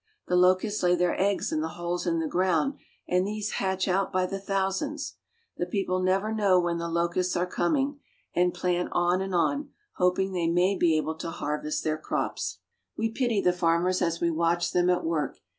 The locusts lay their eggs in the holes in the ground, and these hatch out by the thousands. The people never know when the locusts are coming, and plant on and on, hoping they may be able to harvest their crops. We pity the farmers as we w^atch them at work.